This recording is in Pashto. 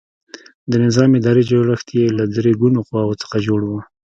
د نظام اداري جوړښت یې له درې ګونو قواوو څخه جوړ و.